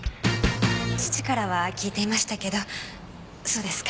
父からは聞いていましたけどそうですかあなたが。